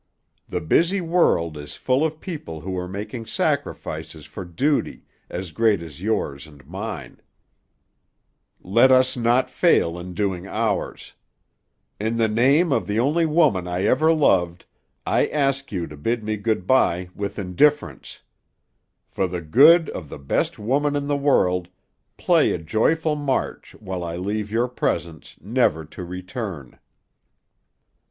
The busy world is full of people who are making sacrifices for duty as great as yours and mine; let us not fail in doing ours. In the name of the only woman I ever loved, I ask you to bid me good by with indifference. For the good of the best woman in the world, play a joyful march while I leave your presence, never to return."